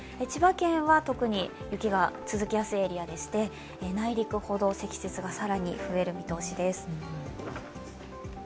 千葉県は特に雪が続きやすいエリアでして、内陸ほど積雪が更に増える見通しです。